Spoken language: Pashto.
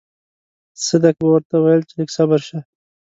صدک به ورته ويل چې لږ صبر شه.